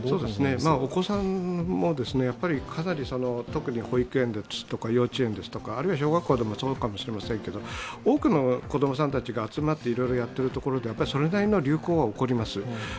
お子さんも保育園とか幼稚園とか、小学校もそうかもしれませんけれども、多くの子供さんたちが集まっていろいろやっているところでそれなりの流行は起こります。